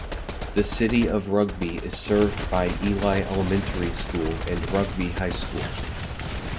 The city of Rugby is served by Ely Elementary School and Rugby High School.